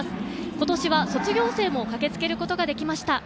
今年は卒業生も駆けつけることができました。